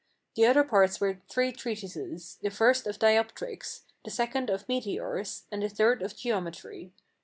The other parts were three treatises: the first of Dioptrics, the second of Meteors, and the third of Geometry.